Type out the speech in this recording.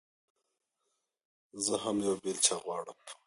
زه هم يوه بېلچه غواړم.